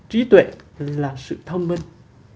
trí tuệ là sự thông minh